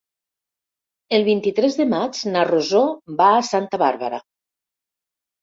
El vint-i-tres de maig na Rosó va a Santa Bàrbara.